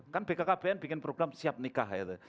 kan bkkbn bikin program siap nikah itu